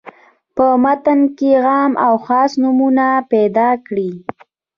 په متن کې عام او خاص نومونه پیداکړي.